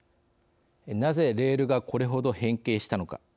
なぜ、レールがこれほど変形したのか。